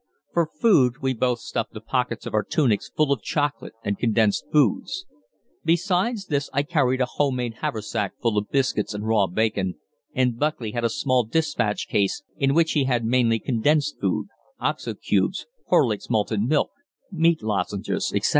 For food, we both stuffed the pockets of our tunics full of chocolate and condensed foods. Besides this I carried a home made haversack full of biscuits and raw bacon, and Buckley had a small dispatch case in which he had mainly condensed food oxo cubes, Horlick's malted milk, meat lozenges, etc.